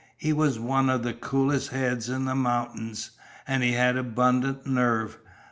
He was one of the coolest heads in the mountains. And he had abundant nerve.